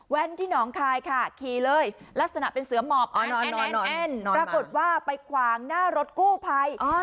แว่นที่หนองคายค่ะขี่เลยลักษณะเป็นเสื้อหมอบอ๋อนอนอนอนปรากฏว่าไปขวางหน้ารถกู้ภัยอ๋อเนี่ย